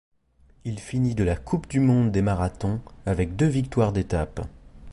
Il finit de la coupe du monde des marathons avec deux victoires d'étapes.